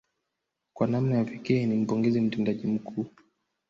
Kwa namna ya pekee ni mpongeze mtendaji mkuu